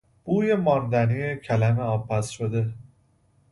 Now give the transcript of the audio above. بوی ماندنی کلم آبپزشده